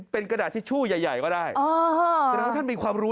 เป็นกระดาษทิชชู่ใหญ่ก็ได้แสดงว่าท่านมีความรู้